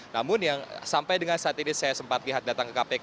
namun yang sampai dengan saat ini saya sempat lihat datang ke kpk